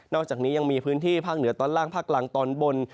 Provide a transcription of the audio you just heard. อกจากนี้ยังมีพื้นที่ภาคเหนือตอนล่างภาคกลางตอนบน